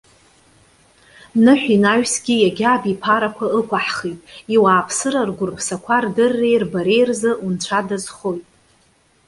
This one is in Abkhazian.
Ныҳә инаҩсгьы иагьа абиԥарақәа ықәаҳхит. Иуааԥсыра ргәырԥсақәа рдырреи рбареи рзы, унцәа дазхоит.